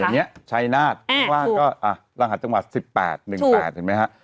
อย่างนี้ชัยนาธรหัสจังหวัด๑๘๑๘เห็นไหมคะ